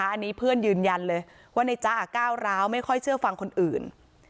อันนี้เพื่อนยืนยันเลยว่าในจ๊ะก้าวร้าวไม่ค่อยเชื่อฟังคนอื่น